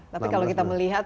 tapi kalau kita melihat